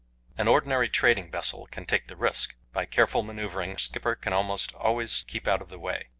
An ordinary trading vessel can take the risk; by careful manoeuvring a skipper can almost always keep out of the way.